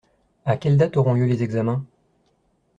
À quelle date auront lieu les examens ?